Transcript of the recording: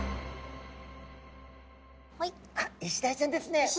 あイシダイちゃんですね。